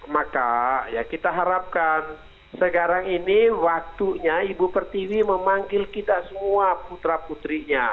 maka ya kita harapkan sekarang ini waktunya ibu pertiwi memanggil kita semua putra putrinya